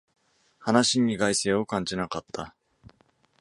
話に意外性を感じなかった